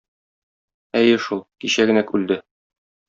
Әйе шул, кичәгенәк үлде.